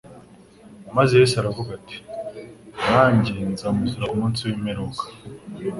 Maze Yesu aravuga ati: «Nanjye nzamuzura ku munsi w'imperuka.»